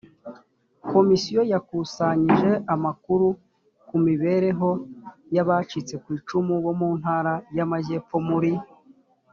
komisiyo yakusanije amakuru ku mibereho y abacitse ku icumu bo mu ntara y amajyepfo muri